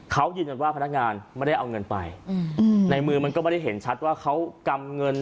เขายืนยันว่าพนักงานไม่ได้เอาเงินไปอืมในมือมันก็ไม่ได้เห็นชัดว่าเขากำเงิน